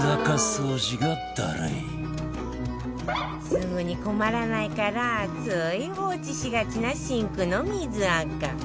すぐに困らないからつい放置しがちなシンクの水アカ